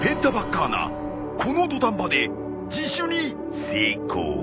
この土壇場で自首に成功。